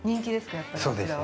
やっぱりこちらは。